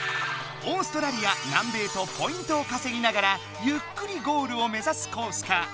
オーストラリア南米とポイントをかせぎながらゆっくりゴールをめざすコースか